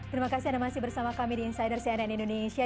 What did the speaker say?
terima kasih anda masih bersama kami di insider cnn indonesia